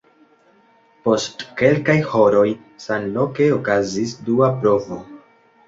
Post kelkaj horoj samloke okazis dua provo.